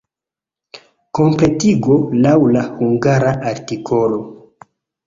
Kompletigo laŭ la hungara artikolo.